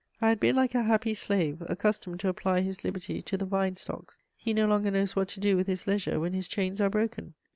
I had been like a happy slave: accustomed to apply his liberty to the vine stocks, he no longer knows what to do with his leisure when his chains are broken.